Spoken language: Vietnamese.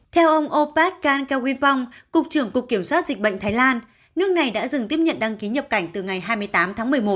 theo ông opad kan kawepong cục trưởng cục kiểm soát dịch bệnh thái lan nước này đã dừng tiếp nhận đăng ký nhập cảnh từ ngày hai mươi tám tháng một mươi một